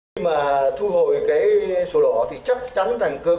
vì vậy có quyết định thu hồi